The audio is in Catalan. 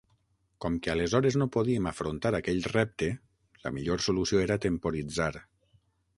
Com que aleshores no podíem afrontar aquell repte, la millor solució era temporitzar.